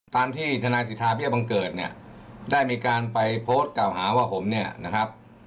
ที่ทนายสิทธาเบี้ยบังเกิดเนี่ยได้มีการไปโพสต์กล่าวหาว่าผมเนี่ยนะครับ